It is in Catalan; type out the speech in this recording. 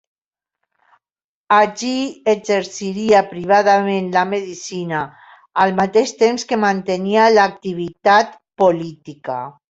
Allí exerciria privadament la medicina, al mateix temps que mantenia l'activitat política.